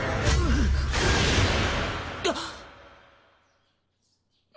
あっ！